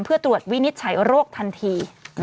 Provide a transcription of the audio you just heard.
เพื่อตรวจวินิจฉัยโรคทันที